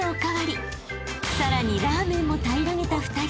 ［さらにラーメンも平らげた２人］